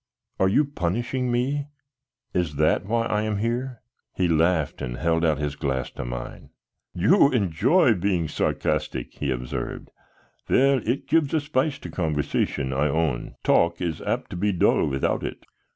"Are you punishing me? Is that why I am here?" He laughed and held out his glass to mine. "You enjoy being sarcastic," he observed. "Well, it gives a spice to conversation, I own. Talk is apt to be dull without it."